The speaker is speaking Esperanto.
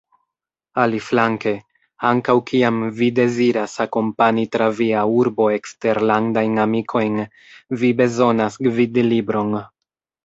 Aliflanke, ankaŭ kiam vi deziras akompani tra via urbo eksterlandajn amikojn, vi bezonas gvidlibron.